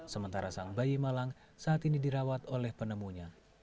sementara sang bayi malang saat ini dirawat oleh penemunya